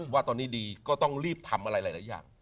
ว่าตอนนี้ดีก็ต้องรีบทำอะไรหลายอย่าง